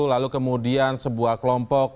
lalu kemudian sebuah kelompok